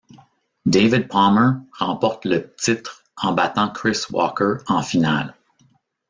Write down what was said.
David Palmer remporte le titre en battant Chris Walker en finale.